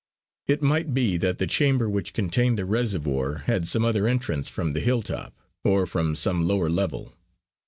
It might be that the chamber which contained the reservoir had some other entrance from the hill top, or from some lower level.